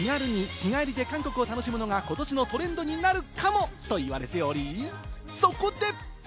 気軽に日帰りで韓国を楽しむのが今年のトレンドになるかもと言われており、そこで。